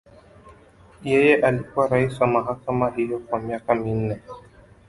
Yeye alikuwa rais wa mahakama hiyo kwa miaka minne.